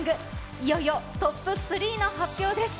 いよいよトップ３の発表です。